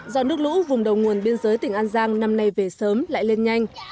do nước lũ vùng đầu nguồn biên giới tỉnh an giang năm nay về sớm lại lên nhanh